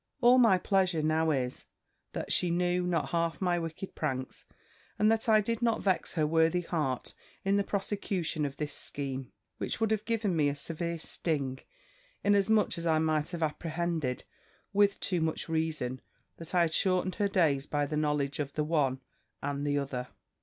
All my pleasure now is, that she knew not half my wicked pranks, and that I did not vex her worthy heart in the prosecution of this scheme; which would have given me a severe sting, inasmuch as I might have apprehended, with too much reason, that I had shortened her days by the knowledge of the one and the other.